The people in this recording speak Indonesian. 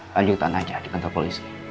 lanjutkan aja di kantor polisi